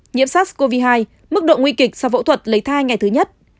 nhiễm sát covid hai mức độ nguy kịch sau phẫu thuật lấy thai ngày thứ nhất